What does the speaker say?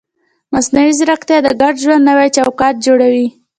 مصنوعي ځیرکتیا د ګډ ژوند نوی چوکاټ جوړوي.